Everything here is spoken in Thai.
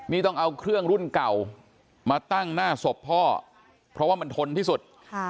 นี่ต้องเอาเครื่องรุ่นเก่ามาตั้งหน้าศพพ่อเพราะว่ามันทนที่สุด